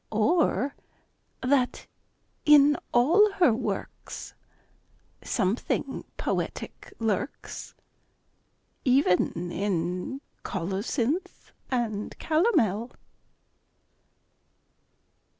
Or that in all her works Something poetic lurks, Even in colocynth and calomel?